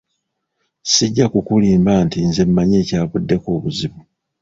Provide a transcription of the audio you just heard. Sijja kukulimba nti nze mmanyi ekyavuddeko obuzibu!